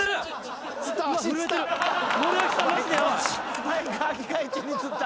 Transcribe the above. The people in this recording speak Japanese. スパイク履き替え中につった。